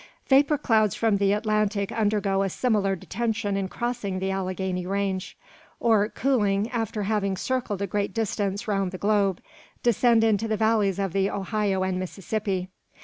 "Vapour clouds from the Atlantic undergo a similar detention in crossing the Alleghany range; or, cooling, after having circled a great distance round the globe, descend into the valleys of the Ohio and Mississippi.